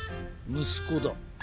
むすこだ。